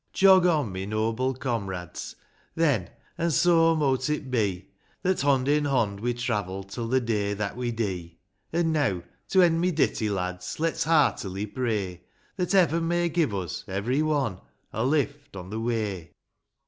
VII. Jog on, my noble comrades, then ; an' — so mote it be, —' That bond in bond we travel till the day that we dee; An' neaw, to end my ditty, lads, let's heartily pray That heaven may give us, ev'ry one, a lift on the way